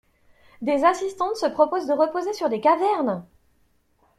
Des assistantes se proposent de reposer sur des cavernes!